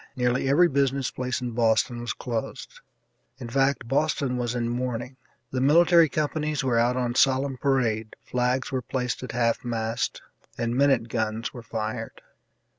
Nearly every business place in Boston was closed in fact, Boston was in mourning; the military companies were out on solemn parade, flags were placed at half mast, and minute guns were fired.